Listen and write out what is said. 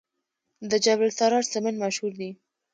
د جبل السراج سمنټ مشهور دي